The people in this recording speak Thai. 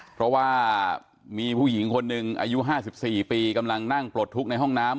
เพราะว่ามีผู้หญิงคนหนึ่งอายุ๕๔ปีกำลังนั่งปลดทุกข์ในห้องน้ำ